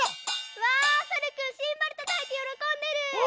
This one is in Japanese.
うわさるくんシンバルたたいてよろこんでる！